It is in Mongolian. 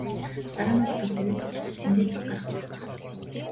Дараа нь хүүхдүүдтэйгээ тоглож тэдэндээ цаг гаргадаг.